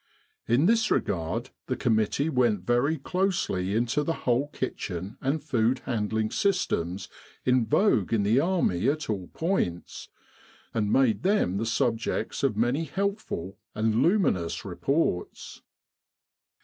In this regard the committee went very closely into the whole kitchen and food handling systems in vogue in the Army at all points, and made them the subjects of many helpful and luminous reports.